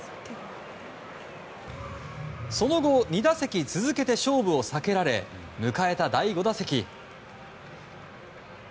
その後、２打席続けて勝負を避けられ迎えた第５打席。